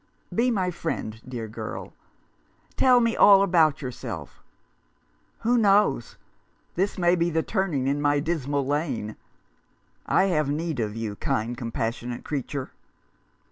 Be my friend, dear girl. Tell me all about yourself. 28 A Fellow feeling. Who knows ? This may be the turning in my dismal lane. I have need of you, kind, com passionate creature."